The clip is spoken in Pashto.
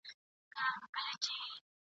د غزلونو قصیدو ښکلي ښاغلي عطر ..